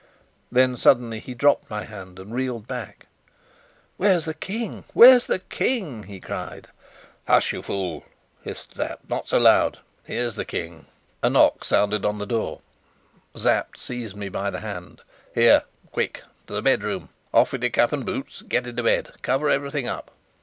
Then suddenly he dropped my hand and reeled back. "Where's the King? Where's the King?" he cried. "Hush, you fool!" hissed Sapt. "Not so loud! Here's the King!" A knock sounded on the door. Sapt seized me by the hand. "Here, quick, to the bedroom! Off with your cap and boots. Get into bed. Cover everything up."